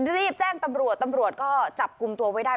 รีบแจ้งตำรวจตำรวจก็จับกลุ่มตัวไว้ได้